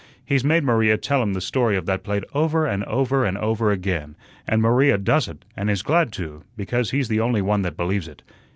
He's made Maria tell him the story of that plate over and over and over again, and Maria does it and is glad to, because he's the only one that believes it.